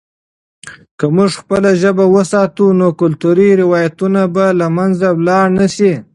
که موږ خپله ژبه وساتو، نو کلتوري روایتونه به له منځه لاړ نه سي.